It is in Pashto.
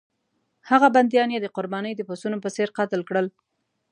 هغه بندیان یې د قربانۍ د پسونو په څېر قتل کړل.